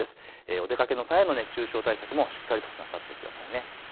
お出かけの際の熱中症対策もしっかりとなさってください。